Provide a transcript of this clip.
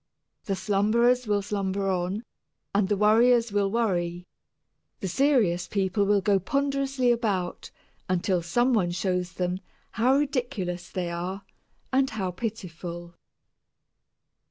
The slumberers will slumber on, and the worriers will worry, the serious people will go ponderously about until some one shows them how ridiculous they are and how pitiful.